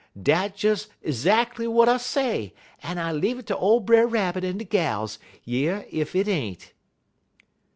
Dat des 'zactly w'at I say, en I leave it ter ole Brer Rabbit en de gals yer ef 't ain't.'